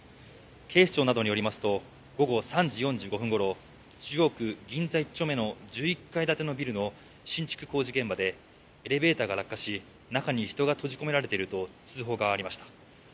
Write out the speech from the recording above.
警視庁などによりますと午後３時４５分ごろ中央区銀座１丁目の１１階建てのビルの新築工事現場でエレベーターが落下し中に人が閉じ込められていると通報がありました。